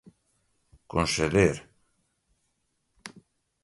conceder